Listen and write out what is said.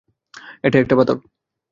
এইটা একটা পাথর।